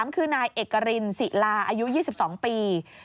คือนายเอกรินศิลาอายุ๒๒ปี